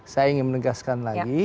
saya ingin menegaskan lagi